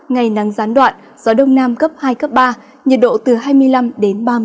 ngày nắng gián đoạn gió đông nam cấp hai ba nhiệt độ từ hai mươi năm ba mươi hai độ